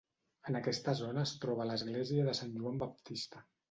En aquesta zona es troba l'església de Sant Joan Baptista.